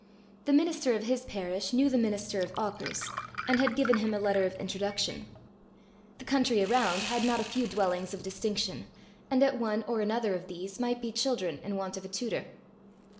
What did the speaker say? The minister of his parish knew the minister of Auchars, and had given him a letter of introduction. The country around had not a few dwellings of distinction, and at one or another of these might be children in want of a tutor.